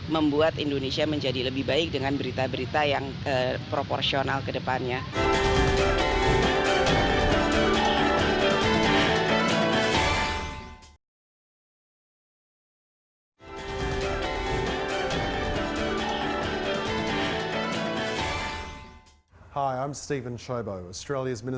masukan informasi apresiasi hingga kritik pun